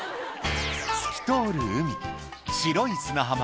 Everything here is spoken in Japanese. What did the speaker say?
透き通る海、白い砂浜。